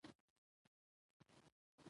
د واک ناسم کارول خطر لري